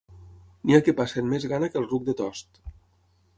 N'hi ha que passen més gana que el ruc de Tost.